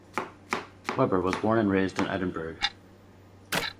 Webber was born and raised in Edinburgh.